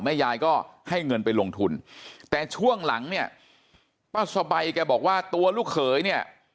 ยายก็ให้เงินไปลงทุนแต่ช่วงหลังเนี่ยป้าสบายแกบอกว่าตัวลูกเขยเนี่ย